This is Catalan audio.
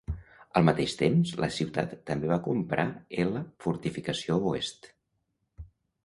Al mateix temps, la ciutat també va comprar ela fortificació oest.